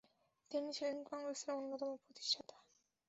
তিনি ছিলেন কংগ্রেস এর অন্যতম প্রতিষ্ঠাতা।